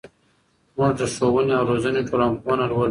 موږ د ښوونې او روزنې ټولنپوهنه لولو.